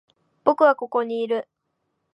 僕はここにいる。